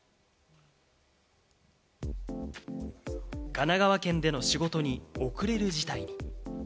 神奈川県での仕事に遅れる事態に。